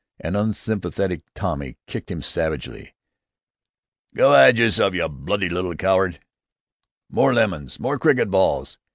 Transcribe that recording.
An unsympathetic Tommy kicked him savagely. "Go 'ide yerself, you bloody little coward!" "More lemons! More cricket balls!"